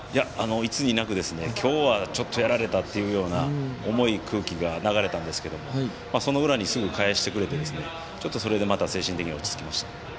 いつになく、今日はちょっとやられた！っていうような重い空気が流れたんですけどその裏に、すぐ返してくれてちょっと、それでまた精神的に落ち着きました。